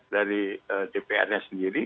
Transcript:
dari dpr nya sendiri